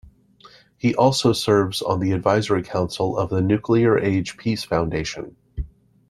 He also serves on the Advisory Council of the Nuclear Age Peace Foundation.